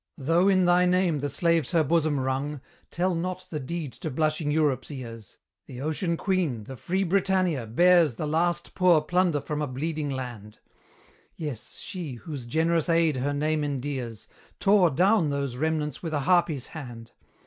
Though in thy name the slaves her bosom wrung, Tell not the deed to blushing Europe's ears; The ocean queen, the free Britannia, bears The last poor plunder from a bleeding land: Yes, she, whose generous aid her name endears, Tore down those remnants with a harpy's hand.